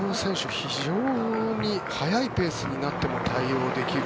非常に速いペースになっても対応できる。